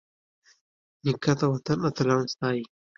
نیکه د وطن اتلان ستايي.